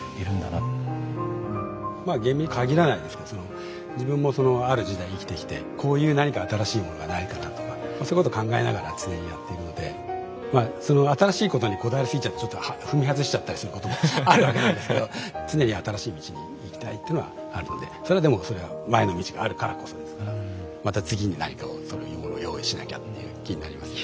まあゲームに限らないですけど自分もそのある時代生きてきてこういう何か新しいものがないかなとかそういうこと考えながら常にやっているのでまあその新しいことにこだわりすぎちゃうとちょっと踏み外しちゃったりすることもあるわけなんですけど常に新しい道に行きたいっていうのはあるのでそれはでもそれは前の道があるからこそですからまた次に何かをそういうものを用意しなきゃっていう気になりますね。